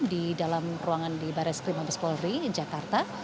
di dalam ruangan di barat krim habis polri jakarta